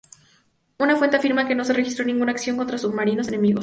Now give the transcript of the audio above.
Una fuente afirma que no se registró ninguna acción contra submarinos enemigos.